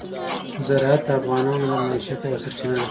زراعت د افغانانو د معیشت یوه سرچینه ده.